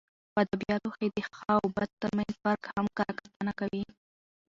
په اد بیاتو کښي د ښه او بد ترمنځ فرق هم کره کتنه کوي.